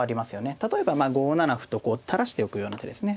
例えば５七歩とこう垂らしておくような手ですね。